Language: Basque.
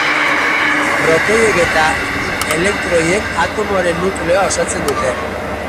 Protoiek eta elektroiek atomoaren nukleoa osatzen dute.